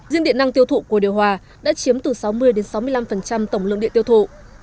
diện điện năng tiêu thụ của điều hòa đã chiếm từ sáu mươi sáu mươi năm tổng lượng điện tiêu thụ